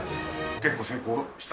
結構成功した。